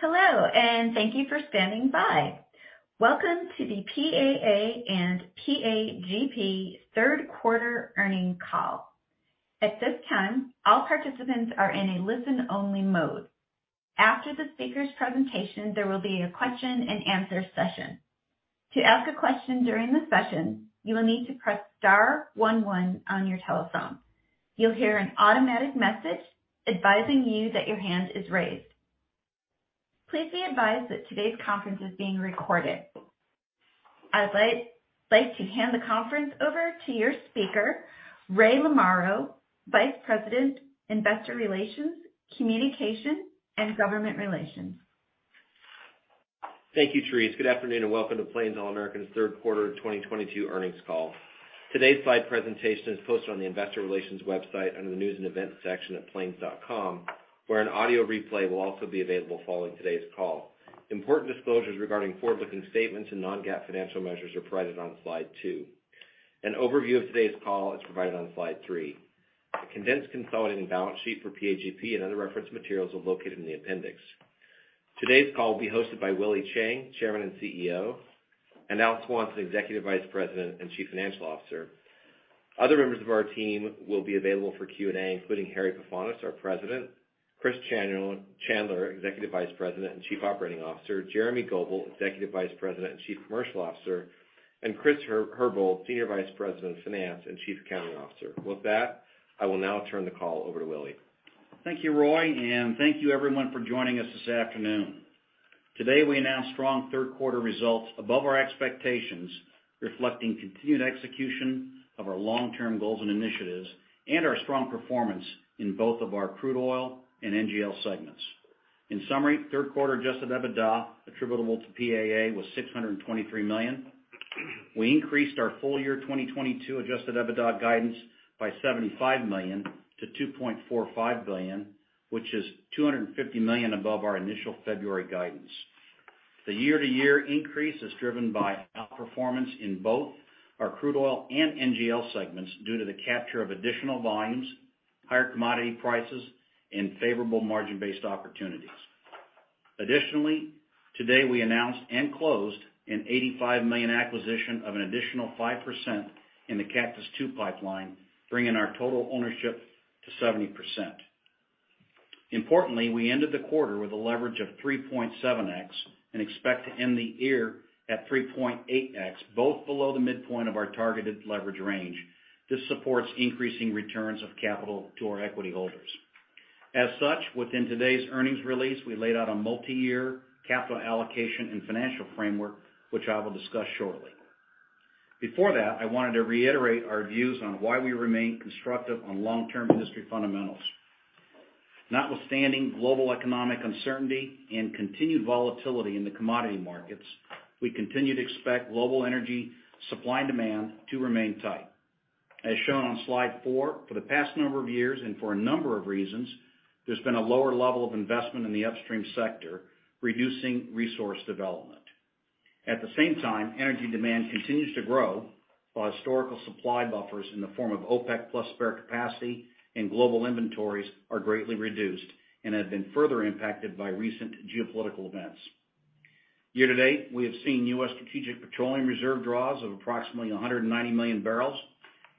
Hello, and thank you for standing by. Welcome to the PAA and PAGP third quarter earnings call. At this time, all participants are in a listen-only mode. After the speaker's presentation, there will be a question and answer session. To ask a question during the session, you will need to press star one one on your telephone. You'll hear an automatic message advising you that your hand is raised. Please be advised that today's conference is being recorded. I'd like to hand the conference over to your speaker, Roy Lamoreaux, Vice President, Investor Relations, Communications and Government Relations. Thank you, Therese. Good afternoon, and welcome to Plains All American's third quarter 2022 earnings call. Today's slide presentation is posted on the investor relations website under the news and events section at plainsallamerican.com, where an audio replay will also be available following today's call. Important disclosures regarding forward-looking statements and non-GAAP financial measures are provided on slide two. An overview of today's call is provided on slide three. A condensed consolidated balance sheet for PAGP and other reference materials are located in the appendix. Today's call will be hosted by Willie Chiang, Chairman and Chief Executive Officer, and Al Swanson, Executive Vice President and Chief Financial Officer. Other members of our team will be available for Q&A, including Harry Pefanis, our President, Chris Chandler, Executive Vice President and Chief Operating Officer, Jeremy Goebel, Executive Vice President and Chief Commercial Officer, and Chris Herbold, Senior Vice President of Finance and Chief Accounting Officer. With that, I will now turn the call over to Willie Chiang. Thank you, Roy, and thank you everyone for joining us this afternoon. Today, we announce strong third quarter results above our expectations, reflecting continued execution of our long-term goals and initiatives, and our strong performance in both of our crude oil and NGL segments. In summary, third quarter adjusted EBITDA attributable to PAA was $623 million. We increased our full year 2022 adjusted EBITDA guidance by $75 million-$2.45 billion, which is $250 million above our initial February guidance. The year-to-year increase is driven by outperformance in both our crude oil and NGL segments due to the capture of additional volumes, higher commodity prices, and favorable margin-based opportunities. Additionally, today we announced and closed an $85 million acquisition of an additional 5% in the Cactus II pipeline, bringing our total ownership to 70%. Importantly, we ended the quarter with a leverage of 3.7x and expect to end the year at 3.8x, both below the midpoint of our targeted leverage range. This supports increasing returns of capital to our equity holders. As such, within today's earnings release, we laid out a multi-year capital allocation and financial framework, which I will discuss shortly. Before that, I wanted to reiterate our views on why we remain constructive on long-term industry fundamentals. Notwithstanding global economic uncertainty and continued volatility in the commodity markets, we continue to expect global energy supply and demand to remain tight. As shown on slide four for the past number of years and for a number of reasons, there's been a lower level of investment in the upstream sector reducing resource development. At the same time, energy demand continues to grow, while historical supply buffers in the form of OPEC plus spare capacity and global inventories are greatly reduced and have been further impacted by recent geopolitical events. Year to date, we have seen U.S. strategic petroleum reserve draws of approximately 190 million bbl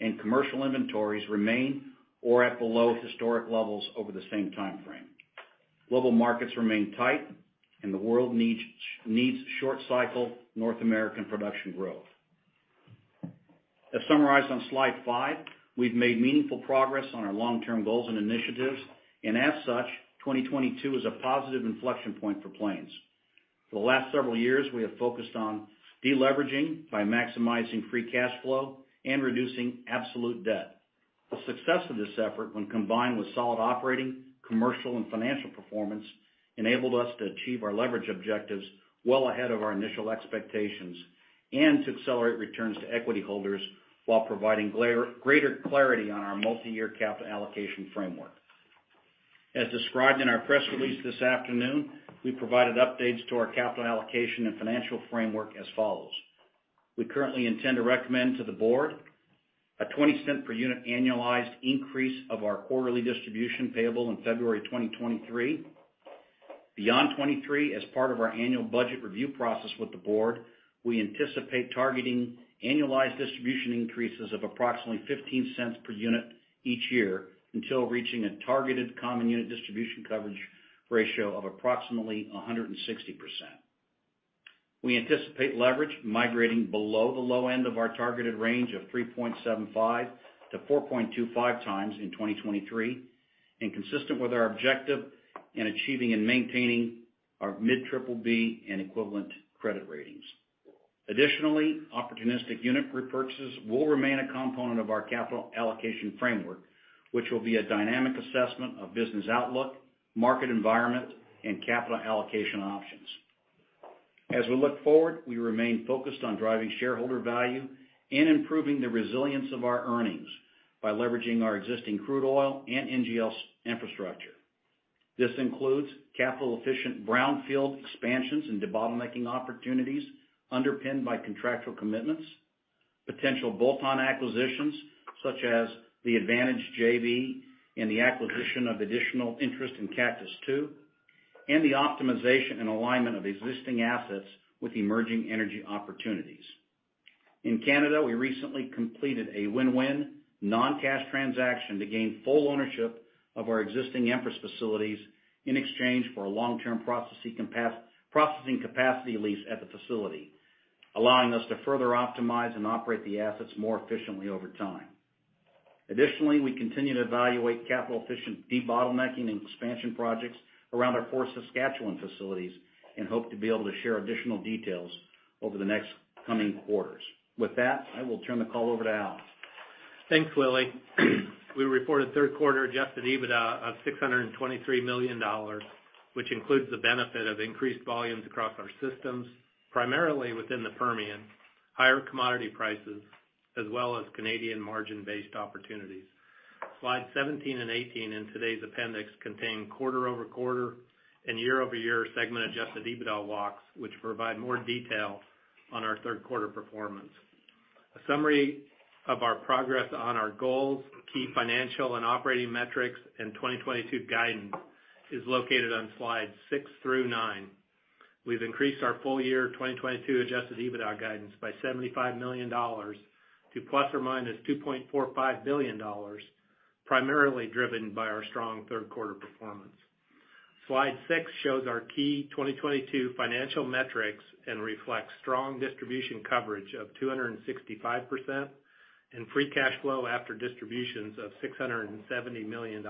and commercial inventories remain low or at below historic levels over the same timeframe. Global markets remain tight and the world needs short cycle North American production growth. As summarized on slide five, we've made meaningful progress on our long-term goals and initiatives, and as such, 2022 is a positive inflection point for Plains. For the last several years, we have focused on de-leveraging by maximizing free cash flow and reducing absolute debt. The success of this effort, when combined with solid operating, commercial, and financial performance, enabled us to achieve our leverage objectives well ahead of our initial expectations and to accelerate returns to equity holders while providing greater clarity on our multi-year capital allocation framework. As described in our press release this afternoon, we provided updates to our capital allocation and financial framework as follows. We currently intend to recommend to the board a $0.20 per unit annualized increase of our quarterly distribution payable in February 2023. Beyond 2023, as part of our annual budget review process with the board, we anticipate targeting annualized distribution increases of approximately $0.15 per unit each year until reaching a targeted common unit distribution coverage ratio of approximately 160%. We anticipate leverage migrating below the low end of our targeted range of 3.75x-4.25x in 2023, and consistent with our objective in achieving and maintaining our mid-BBB and equivalent credit ratings. Additionally, opportunistic unit repurchases will remain a component of our capital allocation framework, which will be a dynamic assessment of business outlook, market environment, and capital allocation options. As we look forward, we remain focused on driving shareholder value and improving the resilience of our earnings by leveraging our existing crude oil and NGLs infrastructure. This includes capital-efficient brownfield expansions and debottlenecking opportunities underpinned by contractual commitments. Potential bolt-on acquisitions, such as the Advantage JV and the acquisition of additional interest in Cactus II, and the optimization and alignment of existing assets with emerging energy opportunities. In Canada, we recently completed a win-win non-cash transaction to gain full ownership of our existing Empress facilities in exchange for a long-term processing capacity lease at the facility, allowing us to further optimize and operate the assets more efficiently over time. Additionally, we continue to evaluate capital-efficient debottlenecking and expansion projects around our four Saskatchewan facilities and hope to be able to share additional details over the next coming quarters. With that, I will turn the call over to Al. Thanks, Willie. We reported third quarter adjusted EBITDA of $623 million, which includes the benefit of increased volumes across our systems, primarily within the Permian, higher commodity prices, as well as Canadian margin-based opportunities. Slide 17 and 18 in today's appendix contain quarter-over-quarter and year-over-year segment adjusted EBITDA walks, which provide more detail on our third quarter performance. A summary of our progress on our goals, key financial and operating metrics, and 2022 guidance is located on slides six through nine. We've increased our full year 2022 adjusted EBITDA guidance by $75 million to ±$2.45 billion, primarily driven by our strong third quarter performance. Slide six shows our key 2022 financial metrics and reflects strong distribution coverage of 265% and free cash flow after distributions of $670 million,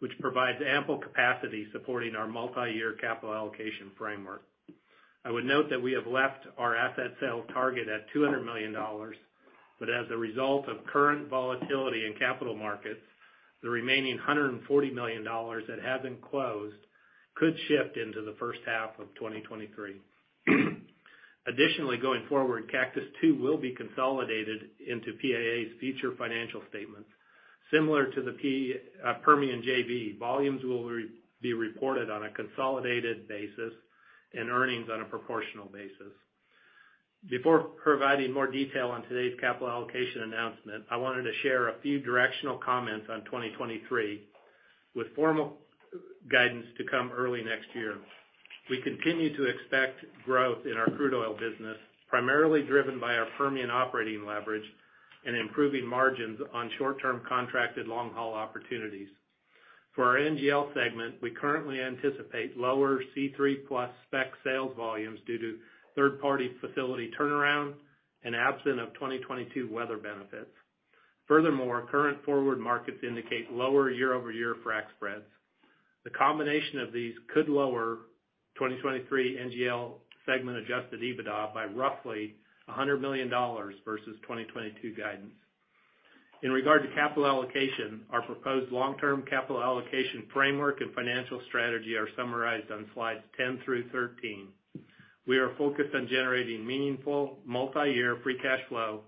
which provides ample capacity supporting our multi-year capital allocation framework. I would note that we have left our asset sale target at $200 million, but as a result of current volatility in capital markets, the remaining $140 million that hasn't closed could shift into the first half of 2023. Additionally, going forward, Cactus II will be consolidated into PAA's future financial statements. Similar to the Permian JV, volumes will be reported on a consolidated basis and earnings on a proportional basis. Before providing more detail on today's capital allocation announcement, I wanted to share a few directional comments on 2023 with formal guidance to come early next year. We continue to expect growth in our crude oil business, primarily driven by our Permian operating leverage and improving margins on short-term contracted long-haul opportunities. For our NGL segment, we currently anticipate lower C3+ spec sales volumes due to third-party facility turnaround and absent of 2022 weather benefits. Furthermore, current forward markets indicate lower year-over-year frac spreads. The combination of these could lower 2023 NGL segment adjusted EBITDA by roughly $100 million versus 2022 guidance. In regard to capital allocation, our proposed long-term capital allocation framework and financial strategy are summarized on slides 10 through 13. We are focused on generating meaningful multi-year free cash flow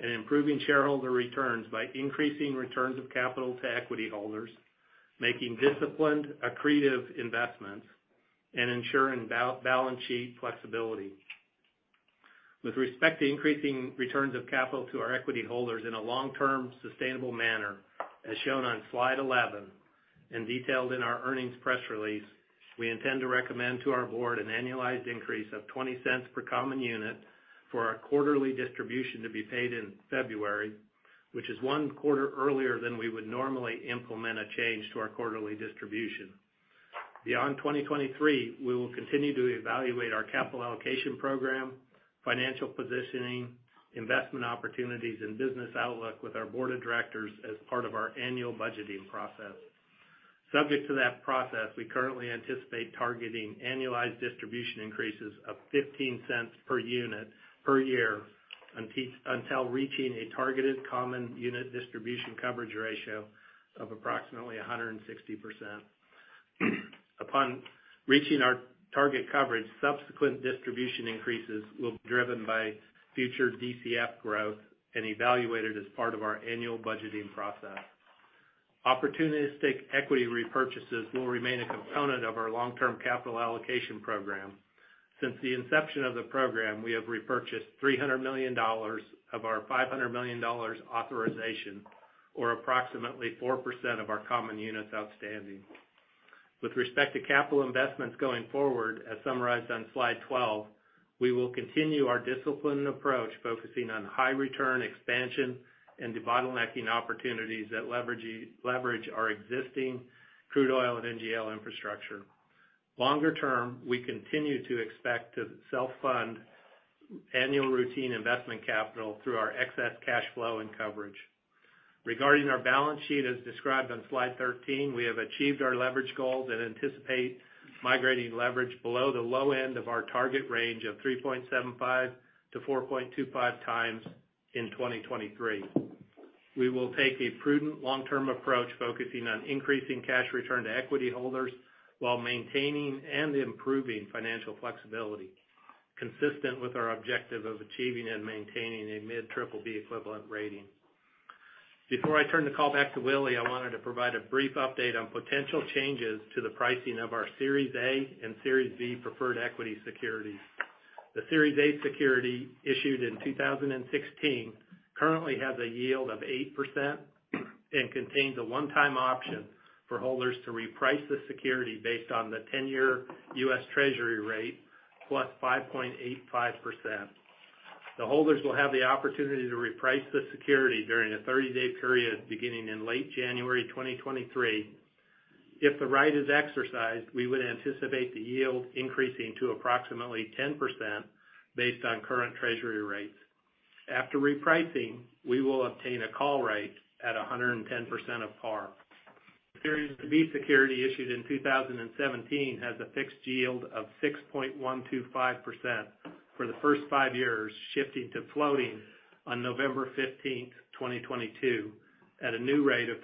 and improving shareholder returns by increasing returns of capital to equity holders, making disciplined, accretive investments, and ensuring balance sheet flexibility. With respect to increasing returns of capital to our equity holders in a long-term sustainable manner, as shown on slide 11 and detailed in our earnings press release, we intend to recommend to our board an annualized increase of $0.20 per common unit for our quarterly distribution to be paid in February, which is one quarter earlier than we would normally implement a change to our quarterly distribution. Beyond 2023, we will continue to evaluate our capital allocation program, financial positioning, investment opportunities, and business outlook with our board of directors as part of our annual budgeting process. Subject to that process, we currently anticipate targeting annualized distribution increases of $0.15 per unit per year until reaching a targeted common unit distribution coverage ratio of approximately 160%. Upon reaching our target coverage, subsequent distribution increases will be driven by future DCF growth and evaluated as part of our annual budgeting process. Opportunistic equity repurchases will remain a component of our long-term capital allocation program. Since the inception of the program, we have repurchased $300 million of our $500 million authorization, or approximately 4% of our common units outstanding. With respect to capital investments going forward, as summarized on slide 12, we will continue our disciplined approach, focusing on high return expansion and debottlenecking opportunities that leverage our existing crude oil and NGL infrastructure. Longer term, we continue to expect to self-fund annual routine investment capital through our excess cash flow and coverage. Regarding our balance sheet, as described on slide 13, we have achieved our leverage goals and anticipate migrating leverage below the low end of our target range of 3.75-4.25x in 2023. We will take a prudent long-term approach, focusing on increasing cash return to equity holders while maintaining and improving financial flexibility, consistent with our objective of achieving and maintaining a mid-BBB equivalent rating. Before I turn the call back to Willie, I wanted to provide a brief update on potential changes to the pricing of our Series A and Series B preferred equity securities. The Series A security issued in 2016 currently has a yield of 8% and contains a one-time option for holders to reprice the security based on the 10-year U.S. Treasury rate +5.85%. The holders will have the opportunity to reprice the security during a 30-day period beginning in late January 2023. If the right is exercised, we would anticipate the yield increasing to approximately 10% based on current treasury rates. After repricing, we will obtain a call right at 110% of par. Series B security issued in 2017 has a fixed yield of 6.125% for the first five years, shifting to floating on November 15, 2022, at a new rate of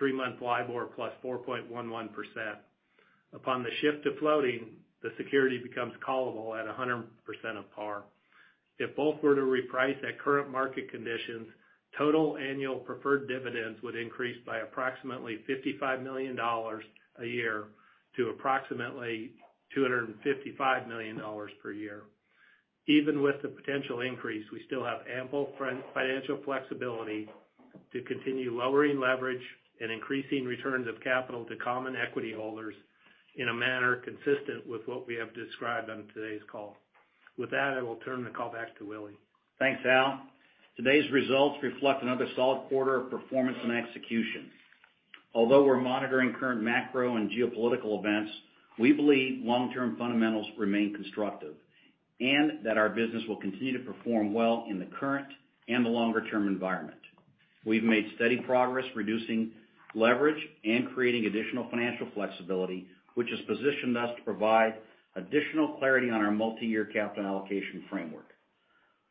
three month LIBOR plus 4.11%. Upon the shift to floating, the security becomes callable at 100% of par. If both were to reprice at current market conditions, total annual preferred dividends would increase by approximately $55 million a year to approximately $255 million per year. Even with the potential increase, we still have ample financial flexibility to continue lowering leverage and increasing returns of capital to common equity holders in a manner consistent with what we have described on today's call. With that, I will turn the call back to Willie. Thanks, Al. Today's results reflect another solid quarter of performance and execution. Although we're monitoring current macro and geopolitical events, we believe long-term fundamentals remain constructive and that our business will continue to perform well in the current and the longer-term environment. We've made steady progress reducing leverage and creating additional financial flexibility, which has positioned us to provide additional clarity on our multi-year capital allocation framework.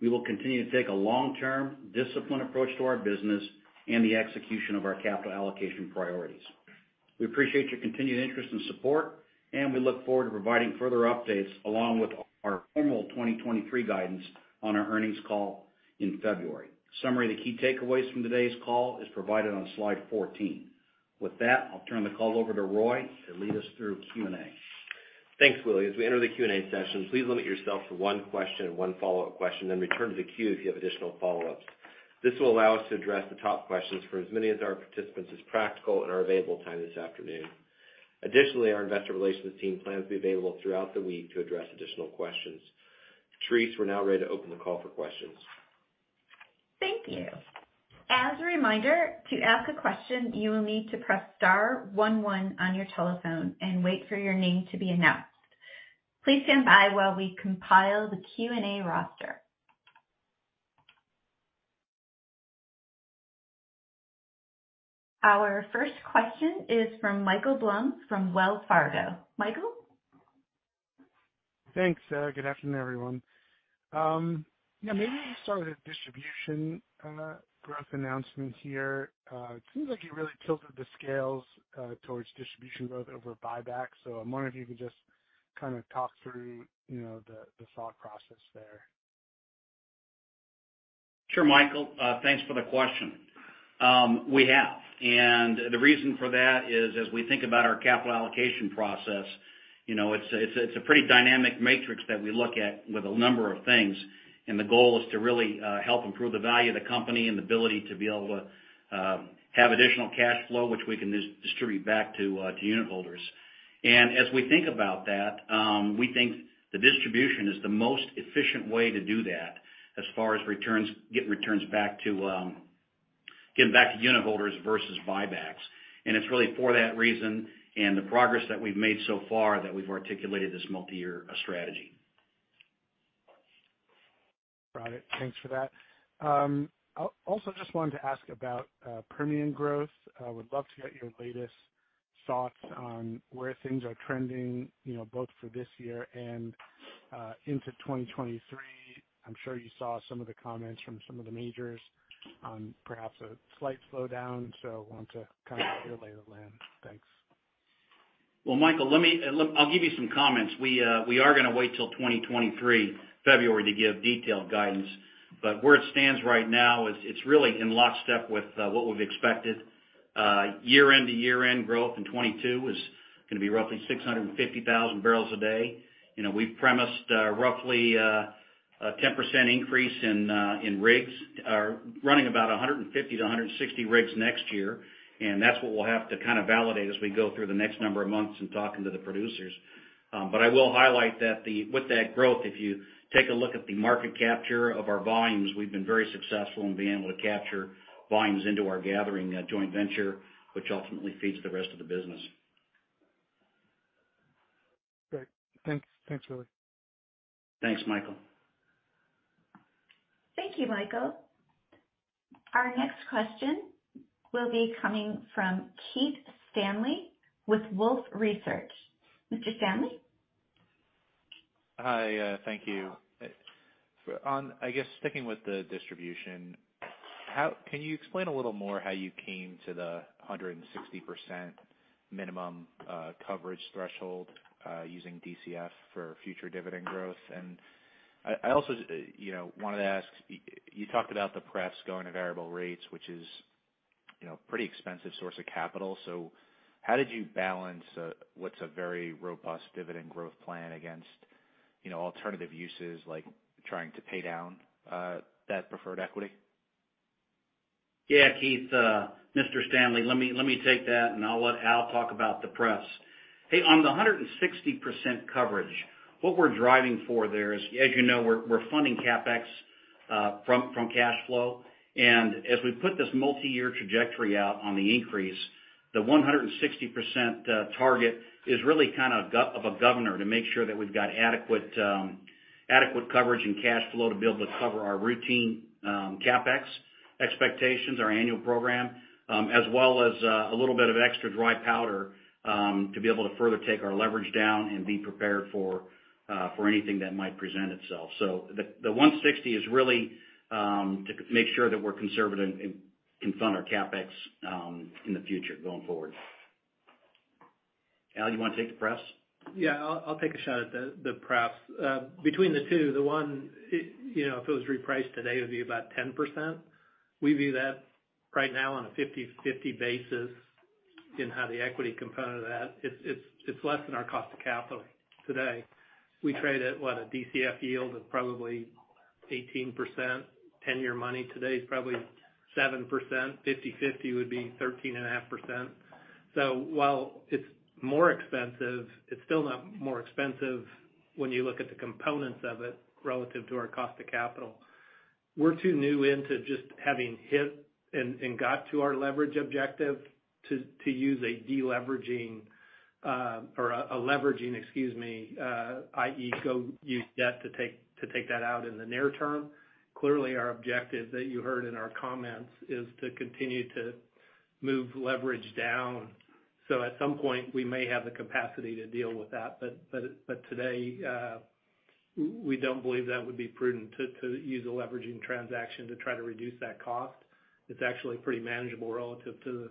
We will continue to take a long-term disciplined approach to our business and the execution of our capital allocation priorities. We appreciate your continued interest and support, and we look forward to providing further updates along with our formal 2023 guidance on our earnings call in February. Summary of the key takeaways from today's call is provided on slide 14. With that, I'll turn the call over to Roy to lead us through Q&A. Thanks, Willie. As we enter the Q&A session, please limit yourself to one question and one follow-up question, then return to the queue if you have additional follow-ups. This will allow us to address the top questions for as many of our participants as practical in our available time this afternoon. Additionally, our investor relations team plans to be available throughout the week to address additional questions. Therese, we're now ready to open the call for questions. Thank you. As a reminder, to ask a question, you will need to press star one one on your telephone and wait for your name to be announced. Please stand by while we compile the Q&A roster. Our first question is from Michael Blum from Wells Fargo. Michael? Thanks. Good afternoon, everyone. You know, maybe you start with the distribution growth announcement here. It seems like it really tilted the scales towards distribution growth over buyback. I'm wondering if you could just kind of talk through, you know, the thought process there. Sure Michael thanks for the question. We have, and the reason for that is, as we think about our capital allocation process, you know, it's a pretty dynamic matrix that we look at with a number of things. The goal is to really help improve the value of the company and the ability to be able to have additional cash flow which we can distribute back to unitholders. As we think about that, we think the distribution is the most efficient way to do that as far as returns getting returns back to giving back to unitholders versus buybacks. It's really for that reason and the progress that we've made so far that we've articulated this multi-year strategy. Got it. Thanks for that. I also just wanted to ask about premium growth. I would love to get your latest thoughts on where things are trending, you know both for this year and into 2023. I'm sure you saw some of the comments from some of the majors on perhaps a slight slowdown. Wanted to kind of get your lay of the land. Thanks. Well Michael let me. I'll give you some comments. We are gonna wait till February 2023 to give detailed guidance. Where it stands right now is it's really in lockstep with what we've expected. year-end-to-year-end growth in 2022 is gonna be roughly 650,000 bbl a day. You know, we've premised roughly a 10% increase in rigs running about 150-160 rigs next year. That's what we'll have to kind of validate as we go through the next number of months in talking to the producers. I will highlight that with that growth, if you take a look at the market capture of our volumes, we've been very successful in being able to capture volumes into our gathering joint venture, which ultimately feeds the rest of the business. Great. Thanks. Thanks, Willie. Thanks, Michael. Thank you, Michael. Our next question will be coming from Keith Stanley with Wolfe Research. Mr. Stanley? Hi. Thank you. I guess sticking with the distribution, can you explain a little more how you came to the 160% minimum coverage threshold using DCF for future dividend growth? I also, you know wanted to ask. You talked about the preferreds going to variable rates, which is, you know a pretty expensive source of capital. How did you balance what's a very robust dividend growth plan against you know alternative uses like trying to pay down that preferred equity? Yeah, Keith Mr. Stanley, let me take that, and I'll let Al talk about the preferreds. Hey, on the 160% coverage, what we're driving for there is, as you know, we're funding CapEx from cash flow. As we put this multi-year trajectory out on the increase, the 160% target is really kind of of a governor to make sure that we've got adequate coverage and cash flow to be able to cover our routine CapEx expectations, our annual program, as well as a little bit of extra dry powder to be able to further take our leverage down and be prepared for anything that might present itself. The $160 is really to make sure that we're conservative in funding our CapEx in the future going forward. Al, you wanna take the preferreds? Yeah, I'll take a shot at the preferreds. Between the two, the one, you know, if it was repriced today, would be about 10%. We view that right now on a 50/50 basis in how the equity component of that. It's less than our cost of capital today. We trade at, what? A DCF yield of probably 18%. Ten-year money today is probably 7%. 50/50 would be 13.5%. While it's more expensive, it's still not more expensive when you look at the components of it relative to our cost of capital. We're too new into just having hit and got to our leverage objective to use a deleveraging or a leveraging, excuse me, i.e., go use debt to take that out in the near term. Clearly, our objective that you heard in our comments is to continue to move leverage down. At some point, we may have the capacity to deal with that, but today we don't believe that would be prudent to use a leveraging transaction to try to reduce that cost. It's actually pretty manageable relative to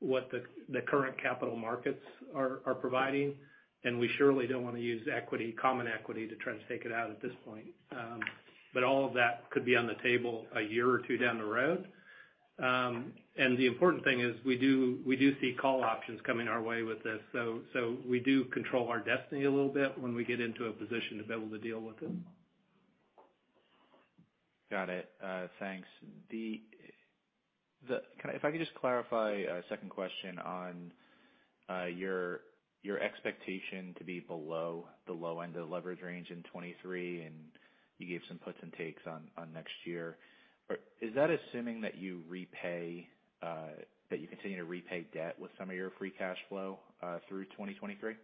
what the current capital markets are providing, and we surely don't wanna use equity, common equity to try to take it out at this point. All of that could be on the table a year or two down the road. The important thing is we do see call options coming our way with this. We do control our destiny a little bit when we get into a position to be able to deal with this. Got it. Thanks. If I could just clarify, second question on your expectation to be below the low end of the leverage range in 2023, and you gave some puts and takes on next year. Is that assuming that you continue to repay debt with some of your free cash flow through 2023?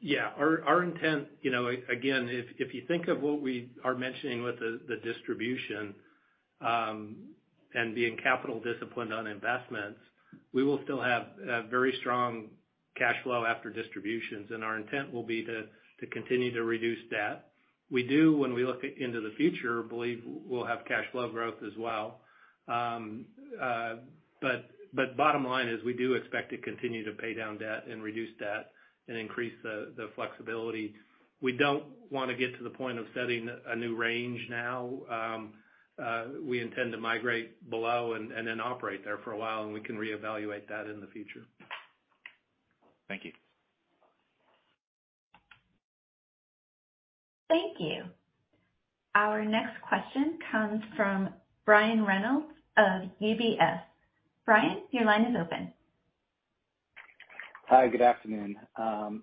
Yeah. Our intent, you know, again, if you think of what we are mentioning with the distribution, and being capital disciplined on investments, we will still have very strong cash flow after distributions, and our intent will be to continue to reduce debt. We do, when we look into the future, believe we'll have cash flow growth as well. Bottom line is we do expect to continue to pay down debt and reduce debt and increase the flexibility. We don't wanna get to the point of setting a new range now. We intend to migrate below and then operate there for a while, and we can reevaluate that in the future. Thank you. Thank you. Our next question comes from Brian Reynolds of UBS. Brian, your line is open. Hi, good afternoon.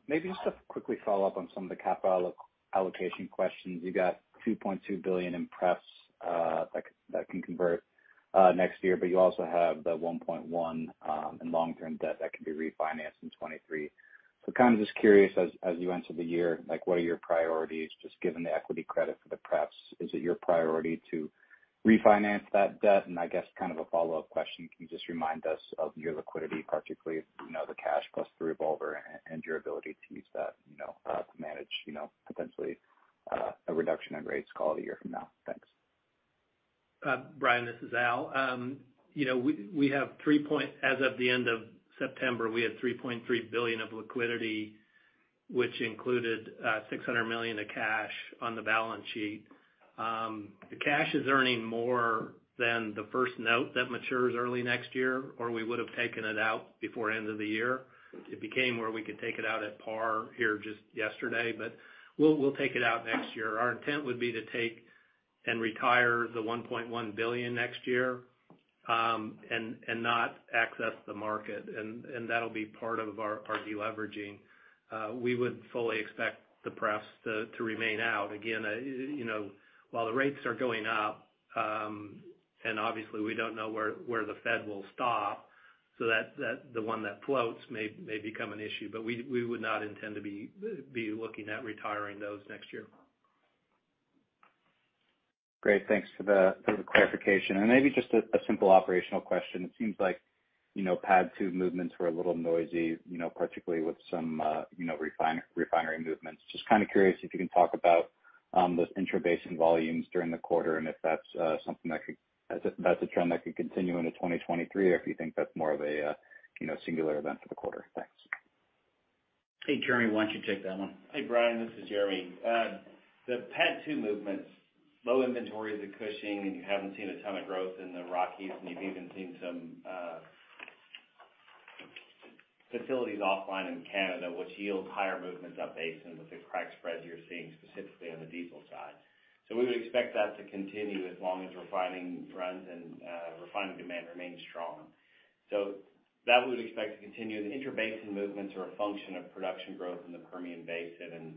Maybe just to quickly follow up on some of the capital allocation questions. You got $2.2 billion in preferreds that can convert next year, but you also have the $1.1 billion in long-term debt that can be refinanced in 2023. Kind of just curious, as you enter the year, like what are your priorities just given the equity credit for the preferreds? Is it your priority to refinance that debt? I guess kind of a follow-up question, can you just remind us of your liquidity, particularly if you know the cash plus the revolver and your ability to use that, you know, to manage, you know, potentially, a reduction in rates call a year from now? Thanks. Brian, this is Al. You know, as of the end of September, we had $3.3 billion of liquidity, which included $600 million of cash on the balance sheet. The cash is earning more than the first note that matures early next year, or we would have taken it out before end of the year. It became where we could take it out at par here just yesterday, but we'll take it out next year. Our intent would be to take and retire the $1.1 billion next year and not access the market. That'll be part of our deleveraging. We would fully expect the preferreds to remain out. Again, you know while the rates are going up and obviously we don't know where the Fed will stop, so that the one that floats may become an issue, but we would not intend to be looking at retiring those next year. Great. Thanks for the clarification. Maybe just a simple operational question. It seems like, you know, PADD 2 movements were a little noisy, you know, particularly with some, you know refinery movements. Just kinda curious if you can talk about. Those intrabasin volumes during the quarter, and if that's a trend that could continue into 2023 or if you think that's more of a you know singular event for the quarter? Thanks. Hey, Jeremy, why don't you take that one? Hey, Brian, this is Jeremy. The PADD 2 movements, low inventories at Cushing, and you haven't seen a ton of growth in the Rockies, and you've even seen some facilities offline in Canada, which yields higher movements up basin with the crack spreads you're seeing specifically on the diesel side. We would expect that to continue as long as refining runs and refining demand remains strong. That we would expect to continue. The intrabasin movements are a function of production growth in the Permian Basin, and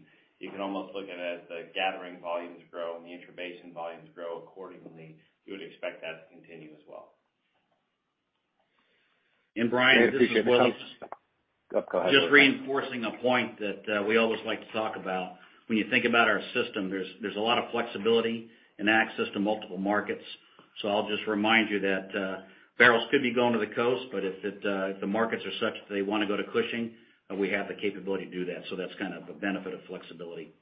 you can almost look at it as the gathering volumes grow and the intrabasin volumes grow accordingly. We would expect that to continue as well. Brian, this is Willie Chiang. Go ahead, Willie Chiang. Just reinforcing a point that we always like to talk about. When you think about our system, there's a lot of flexibility and access to multiple markets. I'll just remind you that barrels could be going to the coast, but if the markets are such that they wanna go to Cushing, we have the capability to do that. That's kind of the benefit of flexibility.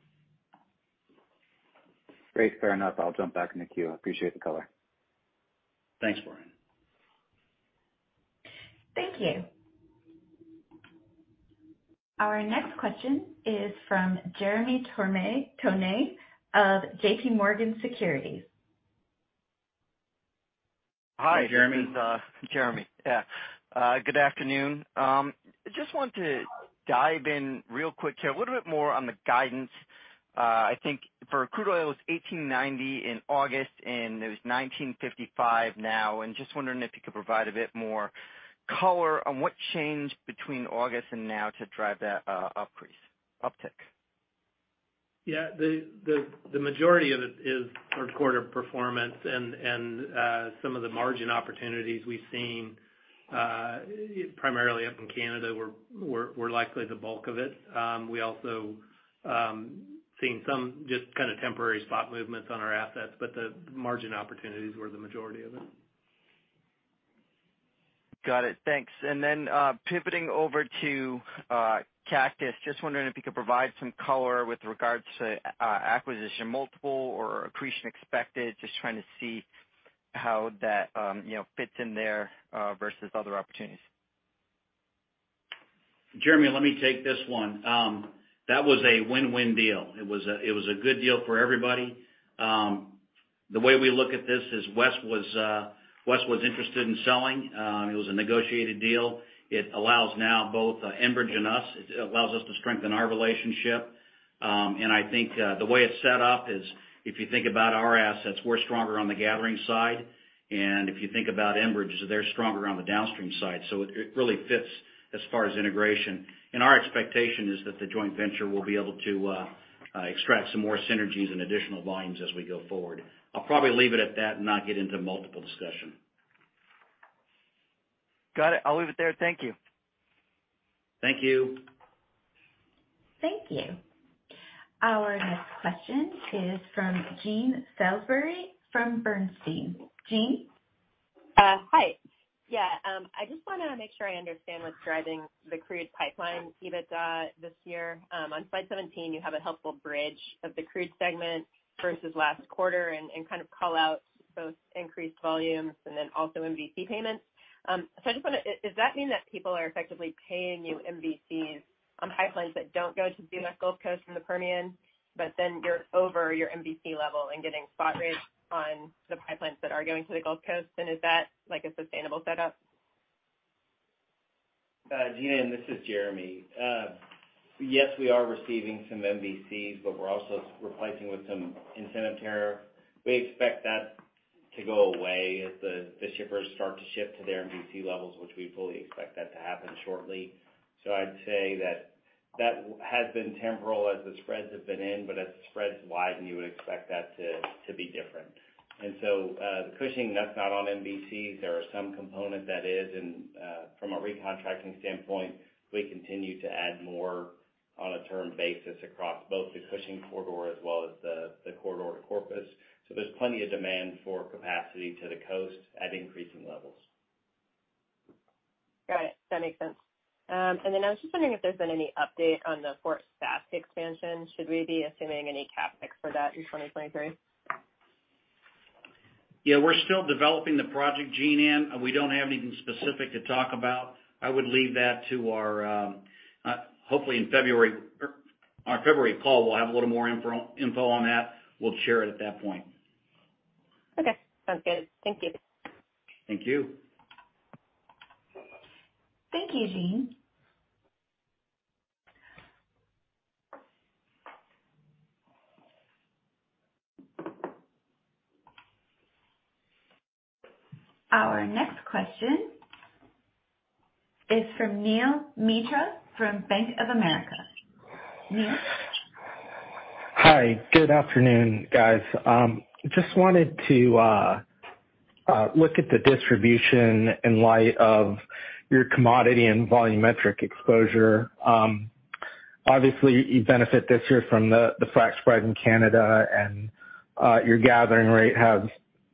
Great. Fair enough. I'll jump back in the queue. I appreciate the color. Thanks, Brian. Thank you. Our next question is from Jeremy Tonet of J.P. Morgan Securities. Hi, Jeremy. This is Jeremy. Good afternoon. I just want to dive in real quick here, a little bit more on the guidance. I think for crude oil, it's $18.90 in August, and it was $19.55 now. Just wondering if you could provide a bit more color on what changed between August and now to drive that uptick. Yeah. The majority of it is third quarter performance and some of the margin opportunities we've seen primarily up in Canada were likely the bulk of it. We also seeing some just kinda temporary spot movements on our assets, but the margin opportunities were the majority of it. Got it. Thanks. Pivoting over to Cactus. Just wondering if you could provide some color with regards to acquisition multiple or accretion expected. Just trying to see how that, you know, fits in there versus other opportunities. Jeremy, let me take this one. That was a win-win deal. It was a good deal for everybody. The way we look at this is Western was interested in selling. It was a negotiated deal. It allows now both Enbridge and us. It allows us to strengthen our relationship. I think the way it's set up is if you think about our assets, we're stronger on the gathering side. If you think about Enbridge, they're stronger on the downstream side. It really fits as far as integration. Our expectation is that the joint venture will be able to extract some more synergies and additional volumes as we go forward. I'll probably leave it at that and not get into multiples discussion. Got it. I'll leave it there. Thank you. Thank you. Thank you. Our next question is from Jean Ann Salisbury from Bernstein. Jean? Hi. I just want to make sure I understand what's driving the Crude pipeline EBITDA this year. On slide 17, you have a helpful bridge of the Crude segment versus last quarter and kind of call out both increased volumes and then also MVC payments. Is that mean that people are effectively paying you MVCs on pipelines that don't go to the U.S. Gulf Coast from the Permian, but then you're over your MVC level and getting spot rates on the pipelines that are going to the Gulf Coast? Is that, like, a sustainable setup? Jean, this is Jeremy. Yes, we are receiving some MVCs, but we're also replacing with some incentive tariff. We expect that to go away as the shippers start to ship to their MVC levels, which we fully expect that to happen shortly. I'd say that has been temporary as the spreads have been thin, but as the spreads widen, you would expect that to be different. The Cushing, that's not on MVC. There are some component that is. From a recontracting standpoint, we continue to add more on a term basis across both the Cushing corridor as well as the corridor to Corpus. There's plenty of demand for capacity to the coast at increasing levels. Got it. That makes sense. I was just wondering if there's been any update on the Fort Saskatchewan expansion. Should we be assuming any CapEx for that in 2023? Yeah, we're still developing the project Jean and we don't have anything specific to talk about. I would leave that to our hopefully in February our February call, we'll have a little more info on that. We'll share it at that point. Okay. Sounds good. Thank you. Thank you. Thank you, Jean. Our next question is from Neel Mitra from Bank of America. Neel? Hi Good afternoon, guys. Just wanted to look at the distribution in light of your commodity and volumetric exposure. Obviously you benefit this year from the frac spread in Canada and your gathering rate has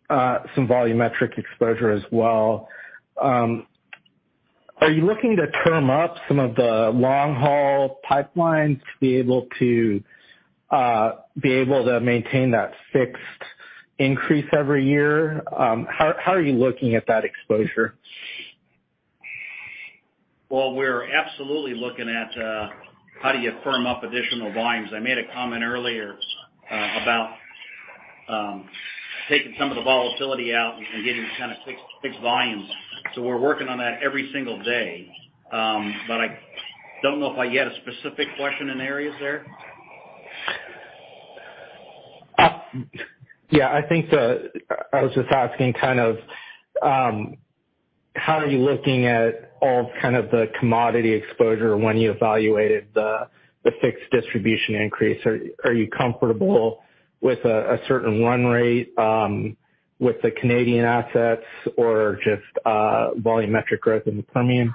some volumetric exposure as well. Are you looking to term up some of the long-haul pipelines to be able to maintain that fixed increase every year? How are you looking at that exposure? Well, we're absolutely looking at how do you firm up additional volumes. I made a comment earlier about taking some of the volatility out and getting kind of fixed volumes. We're working on that every single day. I don't know if I get a specific question in areas there. I was just asking kind of how are you looking at all kind of the commodity exposure when you evaluated the fixed distribution increase? Are you comfortable with a certain run rate with the Canadian assets or just volumetric growth in the Permian?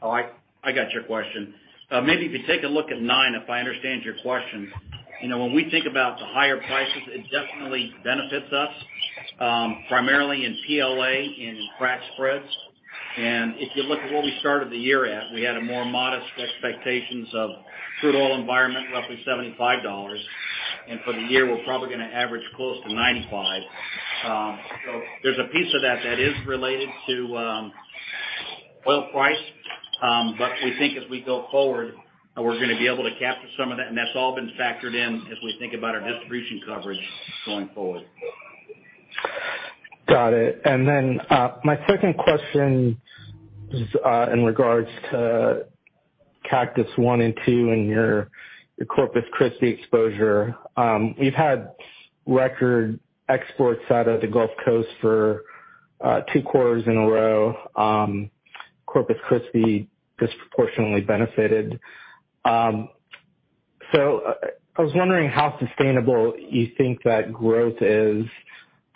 Oh, I got your question. Maybe if you take a look at nine, if I understand your question, you know, when we think about the higher prices, it definitely benefits us, primarily in PAA, in crack spreads. If you look at where we started the year at, we had a more modest expectations of crude oil environment, roughly $75. For the year, we're probably gonna average close to $95. There's a piece of that that is related to oil price. We think as we go forward, we're gonna be able to capture some of that, and that's all been factored in as we think about our distribution coverage going forward. Got it. Then my second question is in regards to Cactus I and II and your Corpus Christi exposure. You've had record exports out of the Gulf Coast for two quarters in a row. Corpus Christi disproportionately benefited. I was wondering how sustainable you think that growth is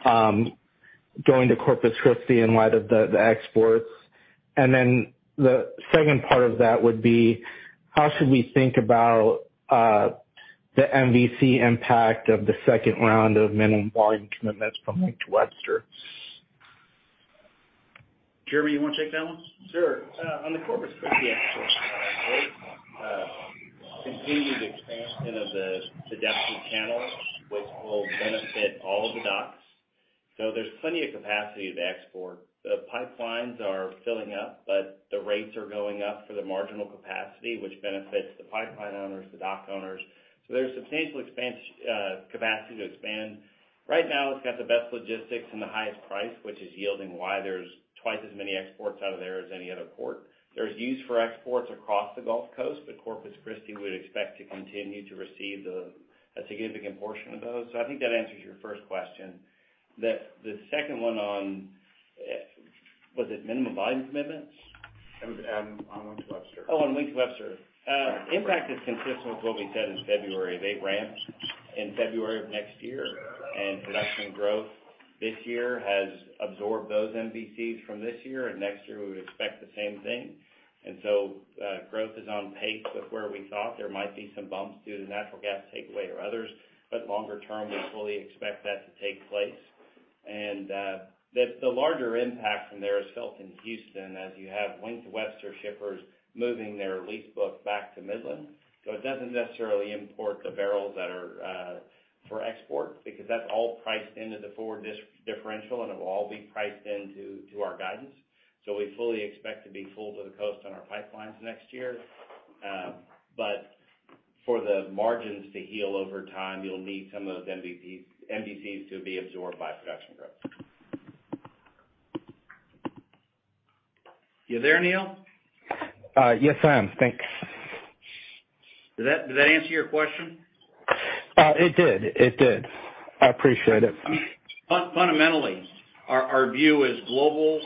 going to Corpus Christi in light of the exports. Then the second part of that would be how should we think about the MVC impact of the second round of minimum volume commitments from Wink to Webster? Jeremy, you wanna take that one? Sure. On the Corpus Christi export, the continued expansion of the Tidewater channels, which will benefit all of the docks. There's plenty of capacity to export. The pipelines are filling up, but the rates are going up for the marginal capacity, which benefits the pipeline owners, the dock owners. There's substantial expansion capacity to expand. Right now, it's got the best logistics and the highest price, which is why there's twice as many exports out of there as any other port. There's use for exports across the Gulf Coast, but Corpus Christi would expect to continue to receive a significant portion of those. I think that answers your first question. The second one on, was it minimum volume commitments? It was on Wink to Webster. On Wink to Webster. Impact is consistent with what we said in February. They ramped in February of next year, and production growth this year has absorbed those MVCs from this year, and next year we would expect the same thing. Growth is on pace with where we thought. There might be some bumps due to natural gas takeaway or others, but longer term, we fully expect that to take place. The larger impact from there is felt in Houston as you have Wink to Webster shippers moving their lease book back to Midland. It doesn't necessarily impact the barrels that are for export because that's all priced into the forward discount differential, and it will all be priced into our guidance. We fully expect to be full to the coast on our pipelines next year. For the margins to heal over time, you'll need some of those MVCs to be absorbed by production growth. You there, Neel? Yes, I am. Thanks. Did that answer your question? It did. I appreciate it. I mean, fundamentally, our view is global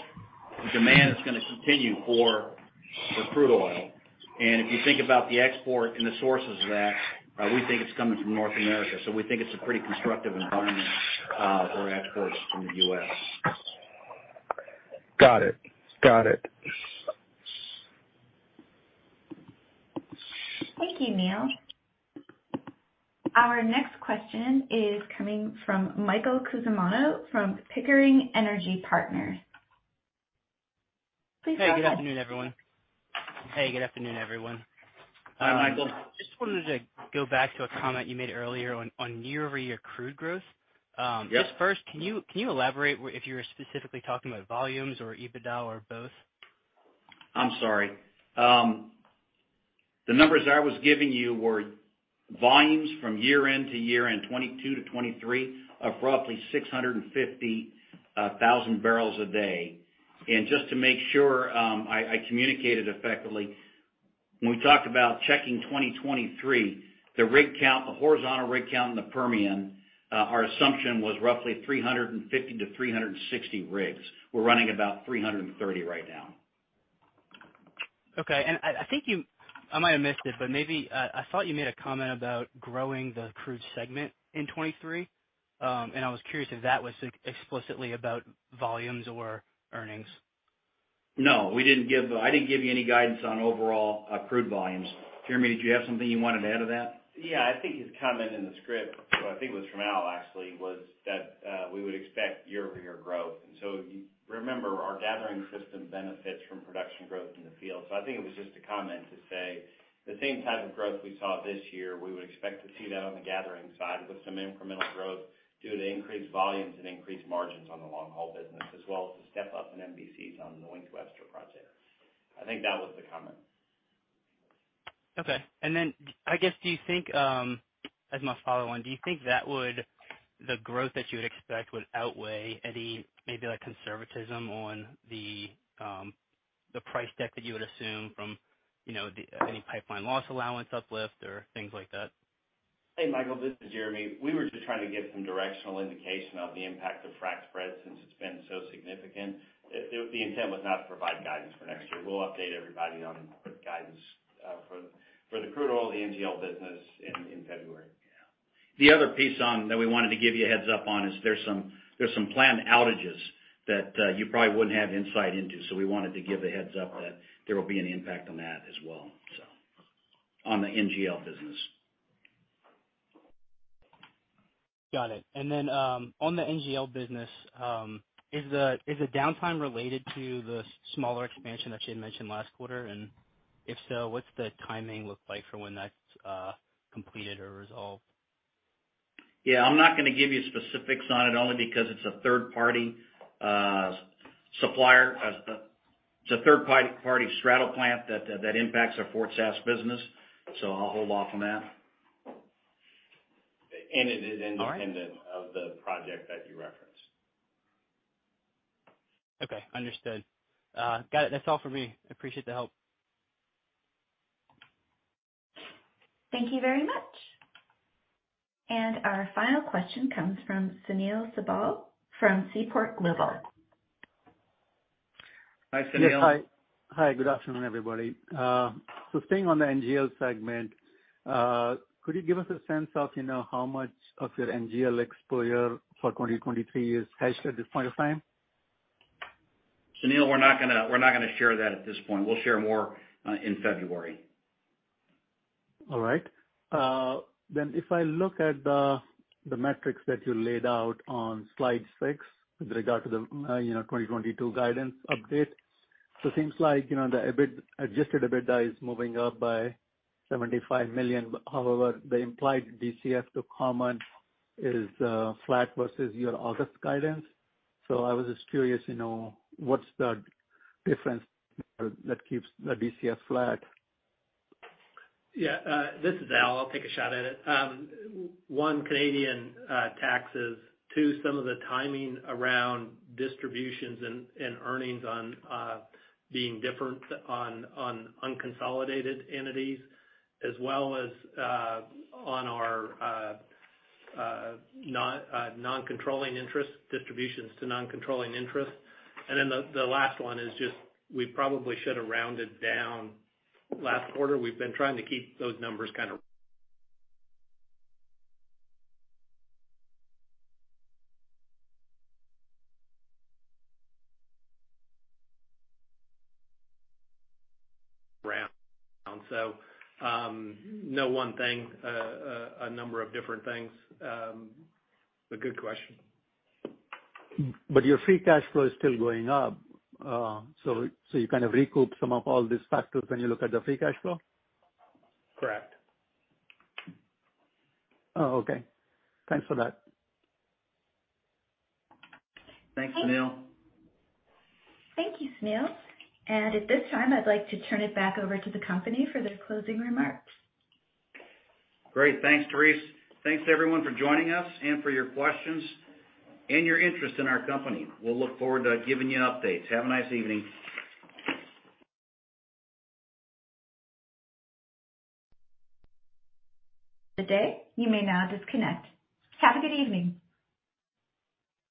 demand is gonna continue for crude oil. If you think about the export and the sources of that, we think it's coming from North America. We think it's a pretty constructive environment for exports from the U.S. Got it. Got it. Thank you, Neel. Our next question is coming from Michael Cusimano from Pickering Energy Partners. Please go ahead. Hey, good afternoon, everyone. Hi, Michael. Just wanted to go back to a comment you made earlier on year-over-year crude growth. Yes. Just first, can you elaborate if you were specifically talking about volumes or EBITDA or both? I'm sorry. The numbers I was giving you were volumes from year end to year end, 2022 to 2023, of roughly 650,000 bbl a day. Just to make sure I communicated effectively, when we talked about checking 2023, the rig count, the horizontal rig count in the Permian, our assumption was roughly 350-360 rigs. We're running about 330 right now. Okay. I think I might have missed it, but maybe I thought you made a comment about growing the crude segment in 2023. I was curious if that was explicitly about volumes or earnings. No, I didn't give you any guidance on overall crude volumes. Jeremy, did you have something you wanted to add to that? Yeah. I think his comment in the script, or I think it was from Al actually, was that we would expect year-over-year growth. If you remember, our gathering system benefits from production growth in the field. I think it was just a comment to say the same type of growth we saw this year, we would expect to see that on the gathering side with some incremental growth due to increased volumes and increased margins on the long-haul business as well as the step up in MVCs on the Wink to Webster project. I think that was the comment. Okay. I guess, as my follow-on, do you think the growth that you would expect would outweigh any, maybe like conservatism on the price deck that you would assume from you know any Pipeline Loss Allowance uplift or things like that? Hey, Michael, this is Jeremy. We were just trying to give some directional indication of the impact of frac spreads since it's been so significant. The intent was not to provide guidance for next year. We'll update everybody on guidance for the crude oil the NGL business in February. The other piece on that we wanted to give you a heads up on is there's some planned outages that you probably wouldn't have insight into. We wanted to give a heads up that there will be an impact on that as well so. On the NGL business. Got it. On the NGL business, is the downtime related to the smaller expansion that you had mentioned last quarter? If so, what's the timing look like for when that's completed or resolved? Yeah, I'm not gonna give you specifics on it only because it's a third-party supplier. It's a third-party straddle plant that impacts our Fort Saskatchewan business, so I'll hold off on that. It is independent. All right. Of the project that you referenced. Okay. Understood. Got it. That's all for me. I appreciate the help. Thank you very much. Our final question comes from Sunil Sibal from Seaport Global. Hi, Sunil. Yes. Hi. Hi, good afternoon, everybody. Staying on the NGL segment, could you give us a sense of, you know, how much of your NGL exposure for 2023 is hedged at this point in time? Sunil, we're not gonna share that at this point. We'll share more in February. All right. If I look at the metrics that you laid out on slide six with regard to the, you know, 2022 guidance update. It seems like, you know, adjusted EBITDA is moving up by $75 million. However, the implied DCF to common is flat versus your August guidance. I was just curious, you know, what's the difference that keeps the DCF flat? Yeah. This is Al. I'll take a shot at it. One, Canadian taxes. Two, some of the timing around distributions and earnings on being different on unconsolidated entities, as well as on our non-controlling interests, distributions to non-controlling interests. Then the last one is just we probably should have rounded down last quarter. We've been trying to keep those numbers kind of round. No one thing a number of different things. Good question. Your free cash flow is still going up. You kind of recoup some of all these factors when you look at the free cash flow? Correct. Oh, okay. Thanks for that. Thanks, Sunil. Thank you, Sunil. At this time, I'd like to turn it back over to the company for their closing remarks. Great. Thanks, Therese. Thanks everyone for joining us and for your questions and your interest in our company. We'll look forward to giving you updates. Have a nice evening. Good day. You may now disconnect. Have a good evening.